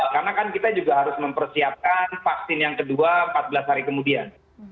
karena kan kita juga harus mempersiapkan vaksin yang kedua empat belas hari kemudian